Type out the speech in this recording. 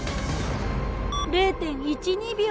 ０．１２秒。